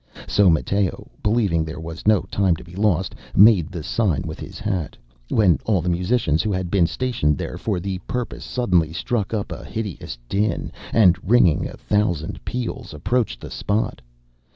So Matteo, believing there was no time to be lost, made the sign with his hat, when all the musicians who had been stationed there for the purpose suddenly struck up a hideous din, and ringing a thousand peals, approached the spot.